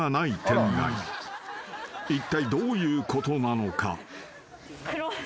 ［いったいどういうことなのか？］